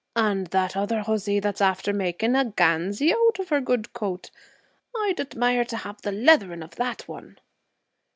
'And that other hussy that's after making a ganzy out of her good coat? I'd admire to have the leathering of that one.'